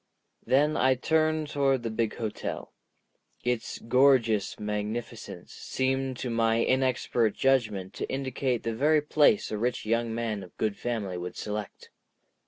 Then I turned toward the big hotel. Its gorgeous magnificence seemed to my inexpert judgment to indicate the very place a rich young man of good family would select.